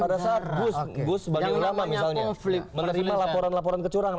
pada saat saya sebagai ulama menerima laporan laporan kecurangan